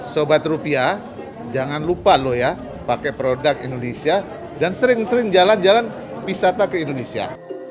sobat rupiah jangan lupa loh ya pakai produk indonesia dan sering sering jalan jalan pisata ke indonesia